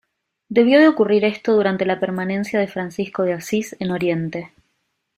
Debió de ocurrir esto durante la permanencia de Francisco de Asís en Oriente.